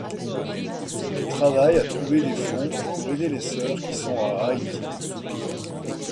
Elles travaillent à trouver des fonds pour aider les sœurs qui sont à Haïti.